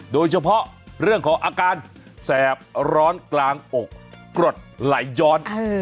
โดยเฉพาะเรื่องของอาการแสบร้อนกลางอกกรดไหลย้อน